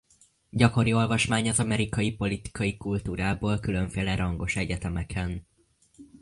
Gyakori olvasmány az amerikai politikai kultúráról különféle rangos egyetemeken.